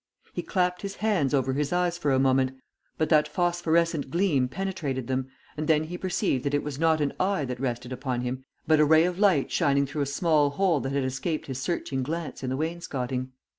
He clapped his hands over his eyes for a moment, but that phosphorescent gleam penetrated them, and then he perceived that it was not an eye that rested upon him, but a ray of light shining through a small hole that had escaped his searching glance in the wainscoting.